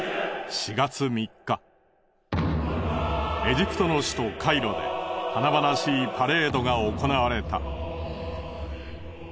４月３日エジプトの首都カイロで華々しいパレードが行われた。